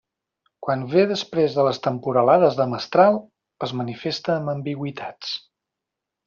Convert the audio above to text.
Quan ve després de les temporalades de mestral, es manifesta amb ambigüitats.